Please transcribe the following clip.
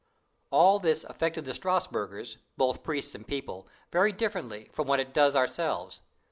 All this affected the Strasbourgers, both priests and people, very differently from what it does ourselves.